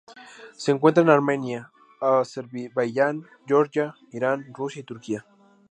Se encuentra en Armenia, Azerbaiyán, Georgia, Irán, Rusia y Turquía.